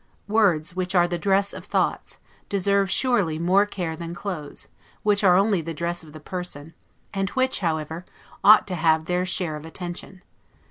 Words, which are the dress of thoughts, deserve surely more care than clothes, which are only the dress of the person, and which, however, ought to have their share of attention.